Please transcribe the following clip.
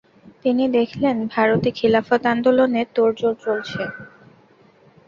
তিনি দেখলেন ভারতে খিলাফত আন্দোলনের তােড়জোর চলছে।